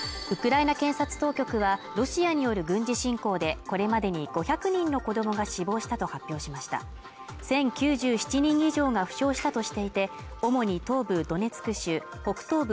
ウクライナ検察当局はロシアによる軍事侵攻でこれまでに５００人の子どもが死亡したと発表しました１０９７人以上が負傷したとしていて主に東部ドネツク州北東部